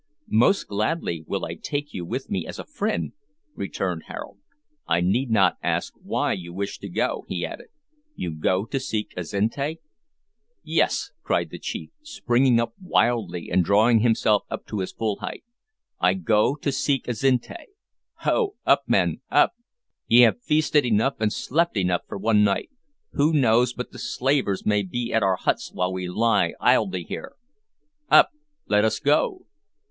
"Most gladly will I take you with me as a friend," returned Harold. "I need not ask why you wish to go," he added, "you go to seek Azinte?" "Yes," cried the chief, springing up wildly and drawing himself up to his full height, "I go to seek Azinte. Ho! up men! up! Ye have feasted enough and slept enough for one night. Who knows but the slavers may be at our huts while we lie idly here? Up! Let us go!"